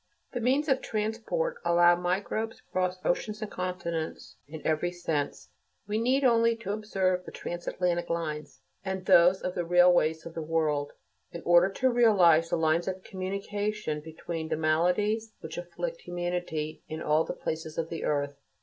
The means of transport allow microbes to cross oceans and continents in every sense. We need only observe the transatlantic lines, and those of the railways of the world, in order to realize the lines of communication between the maladies which afflict humanity in all the places of the earth.